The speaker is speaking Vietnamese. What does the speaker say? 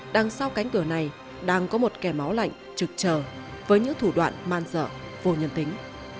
đằng sau cánh cửa này đang có một kẻ máu lạnh trực chờ với những thủ đoạn man dở vô nhân tính